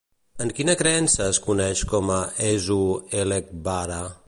En quina creença es coneix com a Èṣù-Ẹlẹ́gbára?